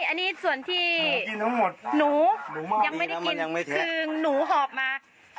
อันนี้ส่วนที่หนูยังไม่ได้กินคือหนูหอบมา